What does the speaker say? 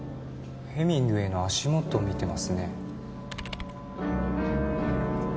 ヘミングウェイの足元を見てますね。